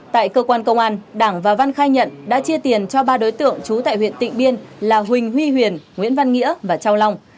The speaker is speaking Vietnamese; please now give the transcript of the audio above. tại cơ quan công an đảng và văn khai nhận đã chia tiền cho ba đối tượng trú tại huyện tịnh biên là huỳnh huy huyền nguyễn văn nghĩa và châu long